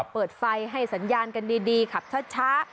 เปิดไฟให้สัญญาณกันดีขับช้า